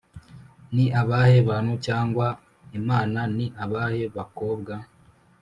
ni abahe bantu cyangwa imana? ni abahe bakobwa?